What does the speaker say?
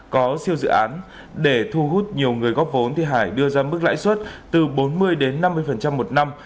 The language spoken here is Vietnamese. có siêu dự án để thu hút nhiều người góp vốn thì hải đưa ra mức lãi suất từ bốn mươi đến năm mươi một năm